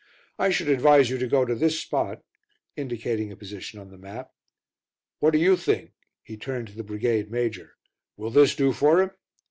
I should advise you to go to this spot" indicating a position on the map. "What do you think?" he turned to the Brigade Major. "Will this do for him?"